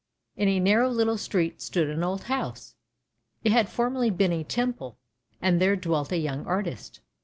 In a narrow little street stood an old house; it had formerly been a temple, and there dwelt a young artist.